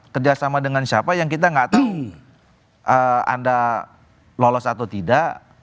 kerjasama dengan siapa yang kita nggak tahu anda lolos atau tidak